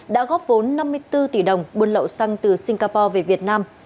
đã góp vốn năm mươi bốn tỷ đồng buôn lậu xăng từ singapore về việt nam